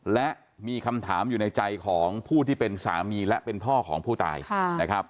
และมีคำถามอยู่ในใจของผู้ที่เป็นสามีและเป็นพ่อของผู้ตายนะครับ